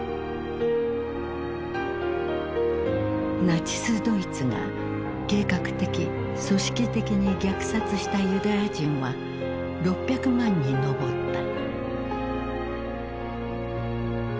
ナチスドイツが計画的組織的に虐殺したユダヤ人は６００万人に上った。